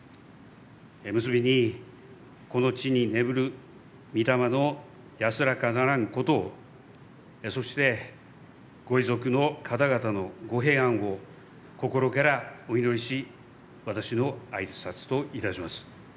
結びに、この地に眠る御霊の安らかならんことをそして御遺族の方々の御平安を心からお祈りし私の挨拶といたします。